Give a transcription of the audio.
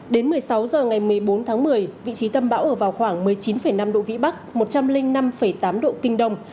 đến một mươi sáu h ngày một mươi bốn tháng một mươi vị trí tâm bão ở vào khoảng một mươi chín năm độ vĩ bắc một trăm linh năm tám độ kinh đông